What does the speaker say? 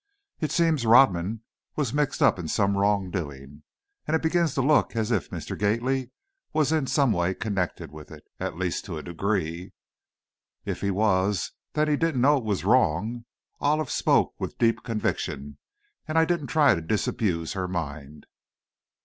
It seems Rodman was mixed up in some wrongdoing, and it begins to look as if Mr. Gately was in some way connected with it, at least, to a degree." "If he was, then he didn't know it was wrong." Olive spoke with deep conviction, and I didn't try to disabuse her mind.